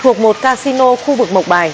thuộc một casino khu vực mộc bài